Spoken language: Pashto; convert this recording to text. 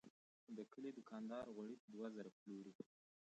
د کلي دوکاندار غوړي په دوه زره پلوري.